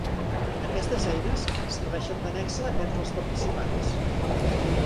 Aquestes eines serveixen de nexe entre els participants.